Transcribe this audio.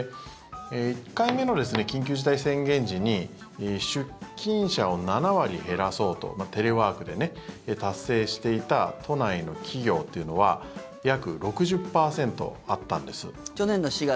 １回目の緊急事態宣言時に出勤者を７割減らそうとテレワークで達成していた都内の企業というのは約６０％あったんです。